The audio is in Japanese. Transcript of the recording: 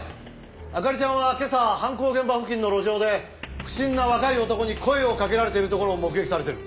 明里ちゃんは今朝犯行現場付近の路上で不審な若い男に声をかけられているところを目撃されてる。